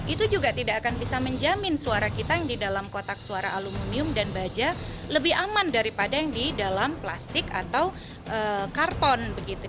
itu juga tidak akan bisa menjamin suara kita yang di dalam kotak suara aluminium dan baja lebih aman daripada yang di dalam plastik atau karton